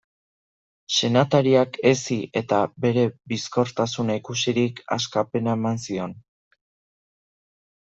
Senatariak hezi eta bere bizkortasuna ikusirik, askapena eman zion.